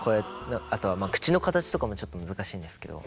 あとは口の形とかもちょっと難しいんですけど。